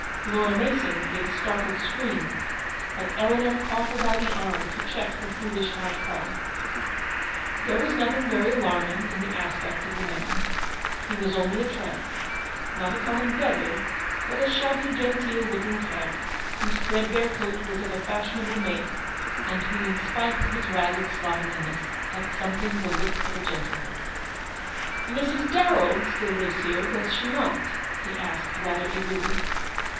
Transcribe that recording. Laura Mason gave a startled scream; but Eleanor caught her by the arm, to check her foolish outcry. There was nothing very alarming in the aspect of the man. He was only a tramp: not a common beggar, but a shabby genteel looking tramp, whose threadbare coat was of a fashionable make, and who, in spite of his ragged slovenliness, had some thing the look of a gentleman. 2S4 Eleanor's victory. " Mrs. Darrell still lives here, does she not ?" lie asked rather eagerly.